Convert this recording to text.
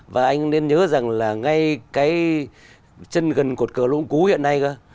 và anh nên nhớ rằng là ngay cái chân gần cột cờ lũ cú hiện nay